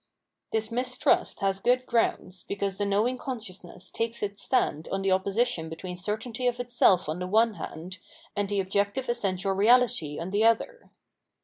This mistrust has good grounds, because the knowing consciousness takes its stand on the opposition between certainty of itself on the one hand, and the objective essential reahty on the other.